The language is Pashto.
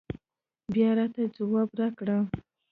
بيا راته ځواب راکړه